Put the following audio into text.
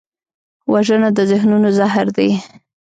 وژنه د ذهنونو زهر دی